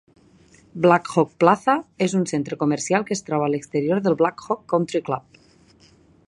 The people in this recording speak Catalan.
Blackhawk Plaza és un centre comercial que es troba a l'exterior del Blackhawk Country Club.